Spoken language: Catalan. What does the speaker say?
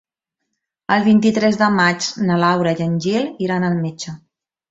El vint-i-tres de maig na Laura i en Gil iran al metge.